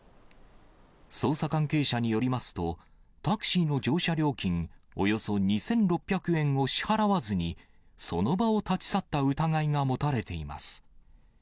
捜査関係者によりますと、タクシーの乗車料金およそ２６００円を支払わずに、その場を立ち去った疑いが持たれています。